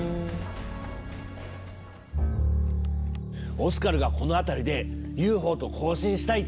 オスカルがこの辺りでＵＦＯと交信したいって。